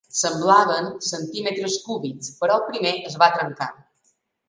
Semblaven centímetres cúbics, però el primer es va trencar.